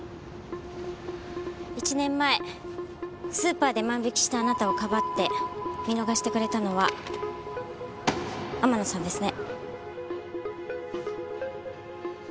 １年前スーパーで万引きしたあなたをかばって見逃してくれたのは天野さんですね？